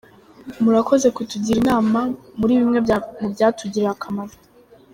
Murakoze kutugira inama, muribimwe mubyatugirira akamaro.